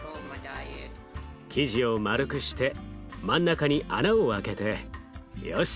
生地を丸くして真ん中に穴を開けてよし！